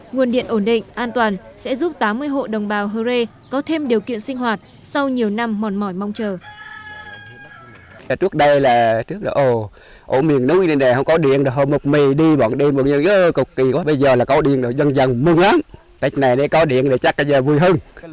nguồn điện ổn định an toàn sẽ giúp tám mươi hộ đồng bào hơ rê có thêm điều kiện sinh hoạt sau nhiều năm mòn mỏi mong chờ